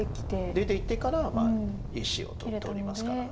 出ていってから１子を取りますから。